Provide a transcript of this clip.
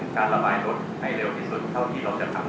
การระบายรถให้เร็วที่สุดเท่าที่เราจะทำ